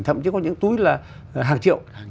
thậm chí có những túi là hàng triệu